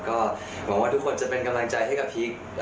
ก็หวังว่าทุกคนจะเป็นกำลังใจให้กับพีค